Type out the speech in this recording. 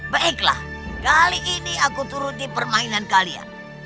baiklah kali ini aku turuti permainan kalian